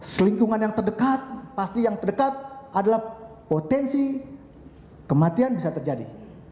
selingkungan yang terdekat pasti yang terdekat adalah potensi kematian bisa terjadi